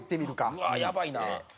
うわーやばいな。